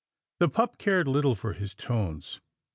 The pup cared little for his tones.